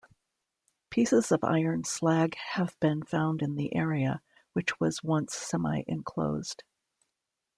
Pieces of iron slag have been found in the area, which was once semi-enclosed.